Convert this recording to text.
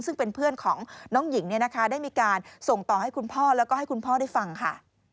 ซึ่งเป็นเพื่อนของน้องหญิงเนี่ยนะคะได้มีการส่งต่อให้คุณพ่อแล้วก็ให้คุณพ่อได้ฟังค่ะ